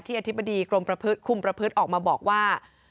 อธิบดีกรมคุมประพฤติออกมาบอกว่า